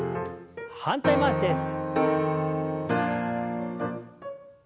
反対回しです。